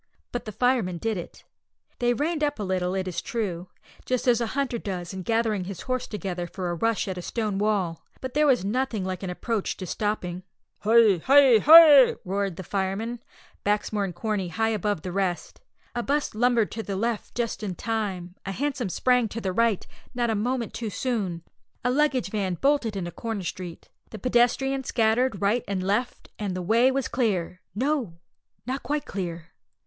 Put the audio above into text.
But the firemen did it. They reined up a little, it is true, just as a hunter does in gathering his horse together for a rush at a stone wall, but there was nothing like an approach to stopping. "Hi! Hi!! Hi!!!" roared the firemen, Baxmore and Corney high above the rest. A 'bus lumbered to the left just in time; a hansom sprang to the right, not a moment too soon; a luggage van bolted into Crown Street; the pedestrians scattered right and left, and the way was clear no, not quite clear!